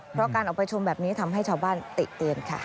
เพราะการออกไปชมแบบนี้ทำให้ชาวบ้านติเตียนค่ะ